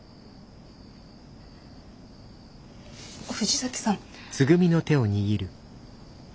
藤崎さん。